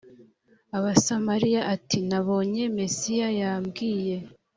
abasamariya ati nabonye mesiya yambwiye